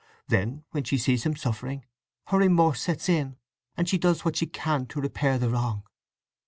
Then, when she sees him suffering, her remorse sets in, and she does what she can to repair the wrong."